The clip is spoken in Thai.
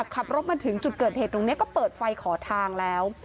ขับรถมาถึงจุดเกิดเหตุตรงนี้ก็เปิดไฟขอทางแล้ว